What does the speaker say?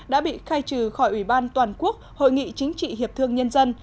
đã bị khai trừ khỏi ủy ban toàn quốc hội nghị chính trị hiệp thương nhân dân